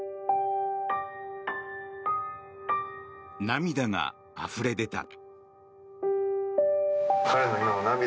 涙があふれ出た。